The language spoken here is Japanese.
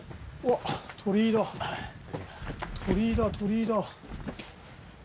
鳥居だ鳥居だ。